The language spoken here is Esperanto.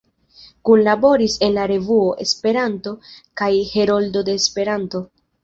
Kunlaboris en "La Revuo, Esperanto" kaj "Heroldo de Esperanto.